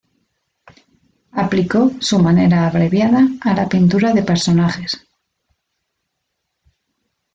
Aplicó su "manera abreviada" a la pintura de personajes.